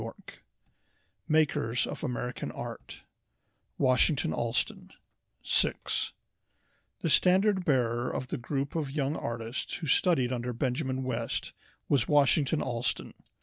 Y.] MAKERS OF AMERICAN ART Washington Allston SIX The standard bearer of the group of young artists who studied under Benjamin West was Washington Allston.